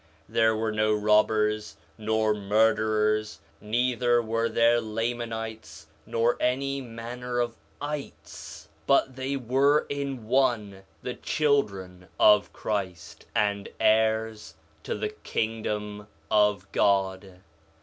4 Nephi 1:17 There were no robbers, nor murderers, neither were there Lamanites, nor any manner of —ites; but they were in one, the children of Christ, and heirs to the kingdom of God.